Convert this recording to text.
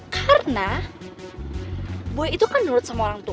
karena boy itu kan nurut sama orang tua